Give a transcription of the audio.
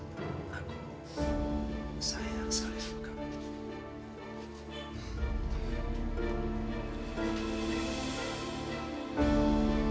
bapak masih sakit pak